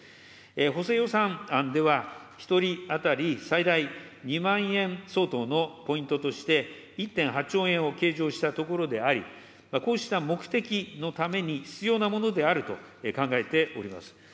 補正予算案では、１人当たり最大２万円相当のポイントとして、１．８兆円を計上したところであり、こうした目的のために必要なものであると考えております。